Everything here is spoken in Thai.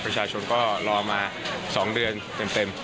ประชาชนก็รอมา๒เดือนเต็ม